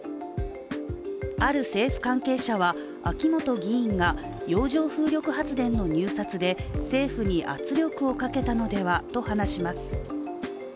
ある政府関係者は、秋本議員が洋上風力発電の入札で政府に圧力をかけたのではと話します。